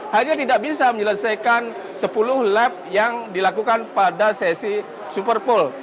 hanya tidak bisa menyelesaikan sepuluh lap yang dilakukan pada sesi superpole